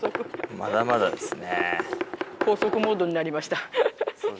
まだまだですね。